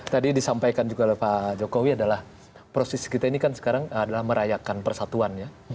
tadi disampaikan juga oleh pak jokowi adalah proses kita ini kan sekarang adalah merayakan persatuan ya